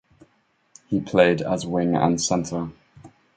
He played as wing and centre.